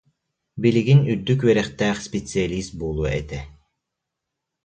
Билигин үрдүк үөрэхтээх специалист буолуо этэ